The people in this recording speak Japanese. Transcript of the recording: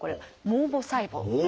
「毛母細胞」。